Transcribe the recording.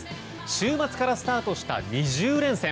週末からスタートした２０連戦。